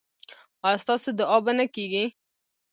ایا ستاسو دعا به نه کیږي؟